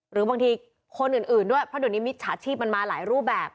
หรือบางทีคนอื่นด้วยเพราะเดี๋ยวนี้มิจฉาชีพมันมาหลายรูปแบบ